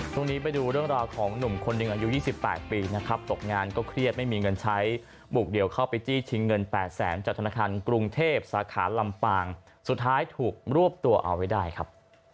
ไปดูเรื่องราวของหนุ่มคนหนึ่งอายุ๒๘ปีนะครับตกงานก็เครียดไม่มีเงินใช้บุกเดี่ยวเข้าไปจี้ชิงเงิน๘แสนจากธนาคารกรุงเทพสาขาลำปางสุดท้ายถูกรวบตัวเอาไว้ได้ครับ